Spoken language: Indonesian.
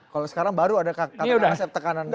kalau sekarang baru ada katakan aset tekanan